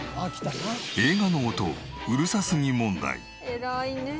偉いねえ。